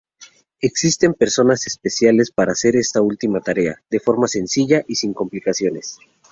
Existen prensas especiales para hacer esta última tarea, de forma sencilla y sin complicaciones.